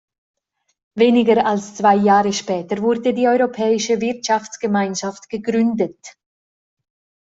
Weniger als zwei Jahre später wurde die Europäische Wirtschaftsgemeinschaft gegründet.